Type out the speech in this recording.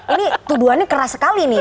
ini tuduhannya keras sekali nih